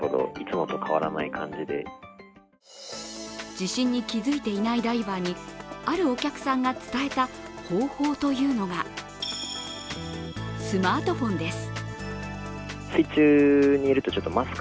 地震に気づいていないダイバーに、あるお客さんが伝えた方法というのがスマートフォンです。